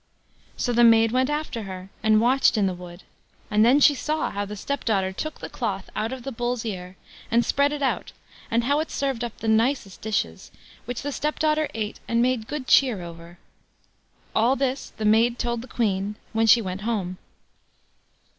So the maid went after her, and watched in the wood, and then she saw how the stepdaughter took the cloth out of the Bull's ear, and spread it out, and how it served up the nicest dishes, which the stepdaughter ate and made good cheer over. All this the maid told the Queen when she went home.